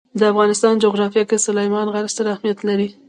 د افغانستان جغرافیه کې سلیمان غر ستر اهمیت لري.